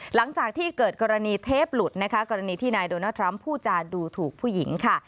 หลังจากที่เกิดกรณีเทปหลุดนะคะกรณีที่นายโดนัลดทรัมป์ผู้จาดูถูกผู้หญิงค่ะ